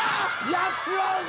やっちまうぞ！